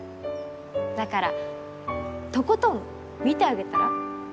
だからとことん見てあげたら？